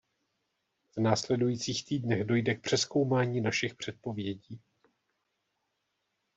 V následujících týdnech dojde k přezkoumání našich předpovědí.